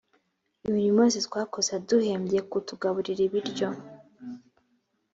imirimo yose twakoze yaduhebye kutugaburira ibiryo